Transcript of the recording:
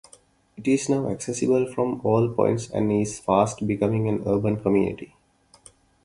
It is now accessible from all points and is fast becoming an urban community.